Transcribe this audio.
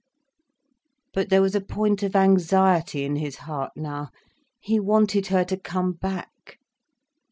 But there was a point of anxiety in his heart now. He wanted her to come back.